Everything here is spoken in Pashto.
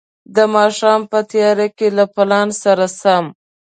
د ماښام په تياره کې له پلان سره سم.